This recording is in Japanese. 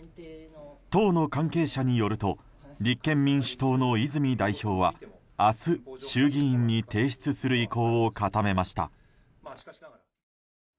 党の関係者によると立憲民主党の泉代表は明日、衆議院に提出する意向を固めました。